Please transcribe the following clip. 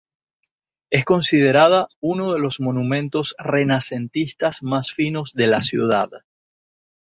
Es considerada uno de los monumentos renacentistas más finos de la ciudad.